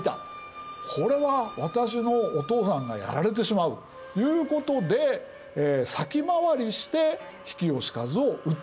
『これは私のお父さんがやられてしまう』ということで先回りして比企能員を討った。